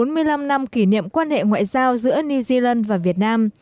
năm hai nghìn hai mươi đánh dấu bốn mươi năm năm kỷ niệm quan hệ ngoại giao giữa new zealand và việt nam